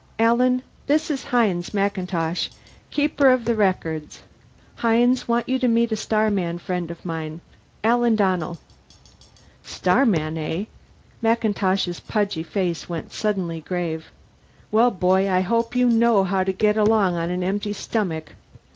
Alan, this is Hines MacIntosh, Keeper of the Records. Hines, want you to meet a starman friend of mine. Alan Donnell." "Starman, eh?" MacIntosh's pudgy face went suddenly grave. "Well, boy, I hope you know how to get along on an empty stomach.